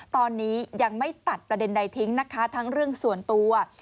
ตอนนี้ยังไม่ตัดประเด็นใดทิ้งนะคะทั้งเรื่องส่วนตัว